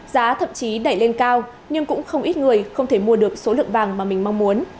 giá thậm chí đẩy lên cao nhưng cũng không ít người không thể mua được số lượng vàng mà mình mong muốn